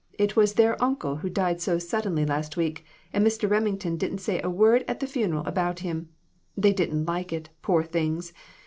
It was their uncle who died so suddenly last week, and Mr. Remington didn't say a word at the funeral about him ; they didn't like it, poor things.